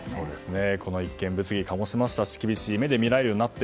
この一件、物議を醸しましたし厳しい目で見られるようになって。